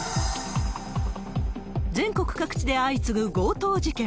全国各地で相次ぐ強盗事件。